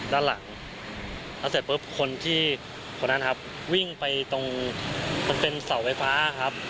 ด้านหลังแล้วเสร็จปุ๊บคนที่คนนั้นครับวิ่งไปตรงมันเป็นเสาไฟฟ้าครับ